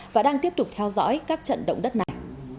và đang tiếp tục theo dõi các trận động đất này